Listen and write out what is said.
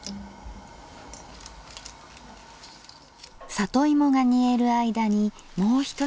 里芋が煮える間にもう一品。